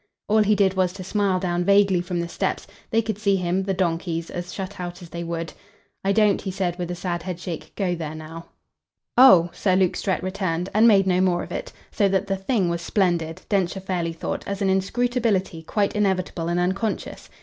All he did was to smile down vaguely from the steps they could see him, the donkeys, as shut out as they would. "I don't," he said with a sad headshake, "go there now." "Oh!" Sir Luke Strett returned, and made no more of it; so that the thing was splendid, Densher fairly thought, as an inscrutability quite inevitable and unconscious.